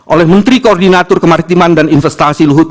oleh menteri koordinator kemaritiman dan investasi luhut